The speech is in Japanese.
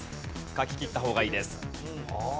書ききった方がいいです。